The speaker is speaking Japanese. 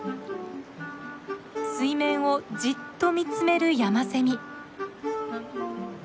水面をじっと見つめるヤマセミ。